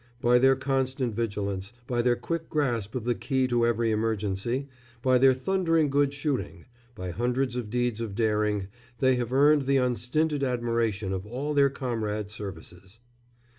By their constant vigilance, by their quick grasp of the key to every emergency, by their thundering good shooting, by hundreds of deeds of daring, they have earned the unstinted admiration of all their comrade services."